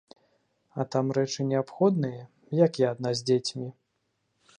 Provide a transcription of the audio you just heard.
А там рэчы неабходныя, як я адна з дзецьмі?